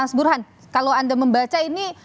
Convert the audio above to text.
mas burhan kalau anda membaca ini